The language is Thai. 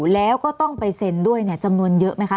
แล้วก็ต้องไปเซ็นด้วยจำนวนเยอะไหมคะ